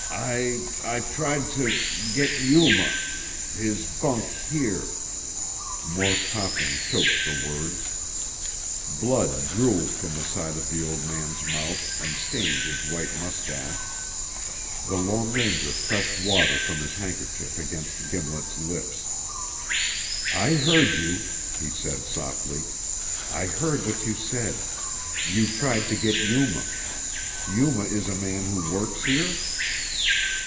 "I I tried tuh get Yuma His bunk here " More coughing choked the words. Blood drooled from the side of the old man's mouth and stained his white mustache. The Lone Ranger pressed water from his handkerchief against Gimlet's lips. "I heard you," he said softly, "I heard what you said. You tried to get Yuma. Yuma is a man who works here?"